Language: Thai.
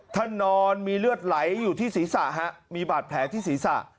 นอนมีเลือดไหลอยู่ที่ศีรษะมีบาดแผลที่ศีรษะ